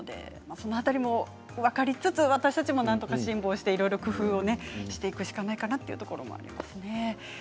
その辺りも分かりつつ私たちもなんとか辛抱して工夫していくしかないかなというところもありますね。